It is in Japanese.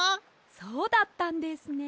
そうだったんですね。